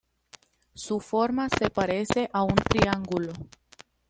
Su forma se parece a un triángulo.